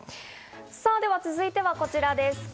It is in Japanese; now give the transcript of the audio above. さぁ、では続いてはこちらです。